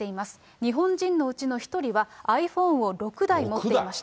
日本人のうちの１人はｉＰｈｏｎｅを６台持っていました。